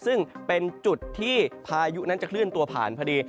ซึ่งเป็นจุดที่พายุนั้นจะเคลื่อนตัวผ่านพอดี